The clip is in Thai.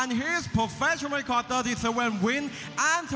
วันนี้ดังนั้นก็จะเป็นรายการมวยไทยสามยกที่มีความสนุกความมันความเดือดนะครับ